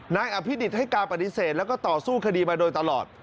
นายอภิดิษฐ์ให้การปฏิเสธแล้วก็ต่อสู้คดีมาโดยตลอด